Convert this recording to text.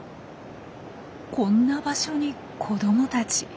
こんな場所に子どもたち。